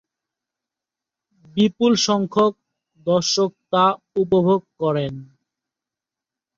বিপুল সংখ্যক দর্শক তা উপভোগ করেন।